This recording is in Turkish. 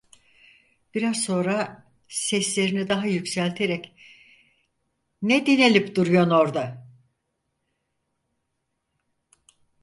Biraz sonra seslerini daha yükselterek: "Ne dinelip duruyon orda?"